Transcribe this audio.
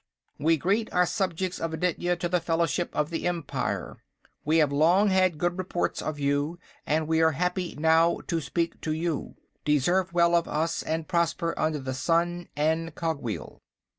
"We greet our subjects of Aditya to the fellowship of the Empire. We have long had good reports of you, and we are happy now to speak to you. Deserve well of us, and prosper under the Sun and Cogwheel."